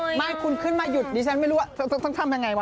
มาอีกล่าวคุณขึ้นมาหยุดดีฉันไม่รู้ว่าต้องทำนาง่ายวะ